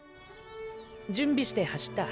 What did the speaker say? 準備して走った。